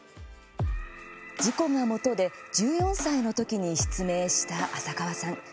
事故がもとで１４歳の時に失明した浅川さん。